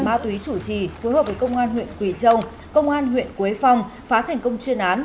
ma túy chủ trì phối hợp với công an huyện quỳ châu công an huyện quế phong phá thành công chuyên án